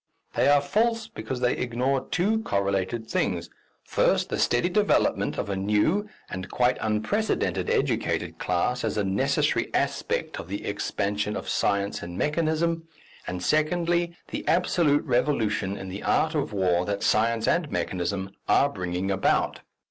They are false because they ignore two correlated things; first, the steady development of a new and quite unprecedented educated class as a necessary aspect of the expansion of science and mechanism, and secondly, the absolute revolution in the art of war that science and mechanism are bringing about.